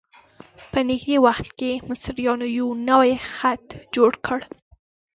په نږدې وخت کې مصریانو یو نوی خط جوړ کړ.